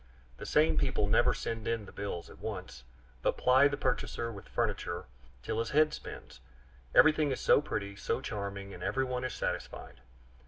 The same people never send in the bills at once, but ply the purchaser with furniture till his head spins. Everything is so pretty, so charming; and everyone is satisfied.